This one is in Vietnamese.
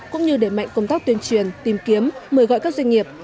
cũng như để mạnh công tác tuyên truyền tìm kiếm mời gọi các doanh nghiệp